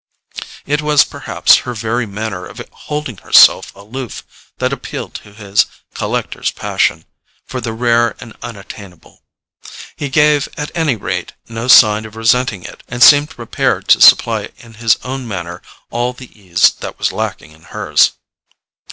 It was perhaps her very manner of holding herself aloof that appealed to his collector's passion for the rare and unattainable. He gave, at any rate, no sign of resenting it and seemed prepared to supply in his own manner all the ease that was lacking in hers.